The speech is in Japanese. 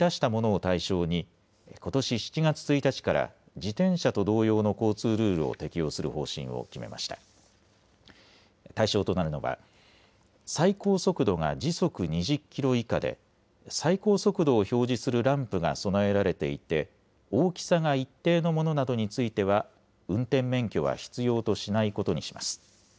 対象となるのは最高速度が時速２０キロ以下で最高速度を表示するランプが備えられていて大きさが一定のものなどについては運転免許は必要としないことにします。